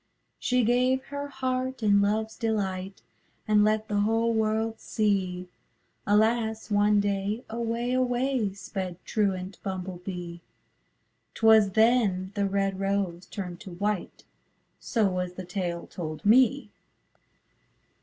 She gave her heart in loveâs delight And let the whole world see; Alas! one day, away, away, Sped truant Bumble Bee; âTwas then the red rose turned to whiteâ So was the tale told me.